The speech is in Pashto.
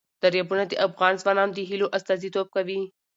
دریابونه د افغان ځوانانو د هیلو استازیتوب کوي.